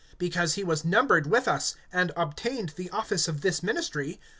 (17)Because he was numbered with us, and obtained the office of this ministry.